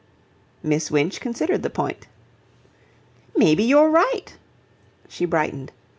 Miss Winch considered the point. "Maybe you're right." She brightened.